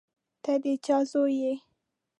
ته د چا زوی یې.